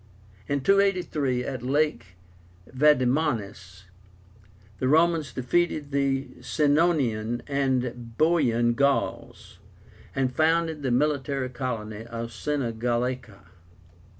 In 283, at Lake Vadimónis, the Romans defeated the Senonian and Boian Gauls, and founded the military colony of SENA GALLICA.